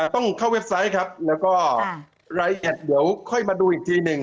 ต้องเข้าเว็บไซต์ครับแล้วก็รายละเอียดเดี๋ยวค่อยมาดูอีกทีหนึ่ง